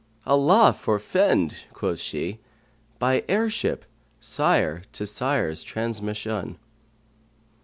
Allah forfend,' quoth she, * By heirship, sire to sire's transmission!'"